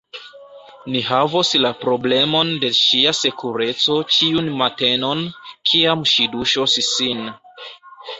Ni havos la problemon de ŝia sekureco ĉiun matenon, kiam ŝi duŝos sin.